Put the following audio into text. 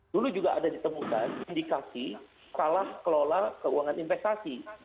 dulu juga ada ditemukan indikasi salah kelola keuangan investasi